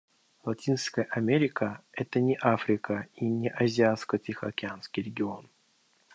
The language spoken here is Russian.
Латинская Америка — это не Африка и не Азиатско-Тихоокеанский регион.